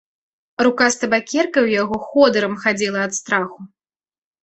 Рука з табакеркай у яго ходырам хадзіла ад страху.